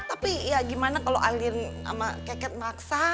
tapi ya gimana kalau alien sama keket maksa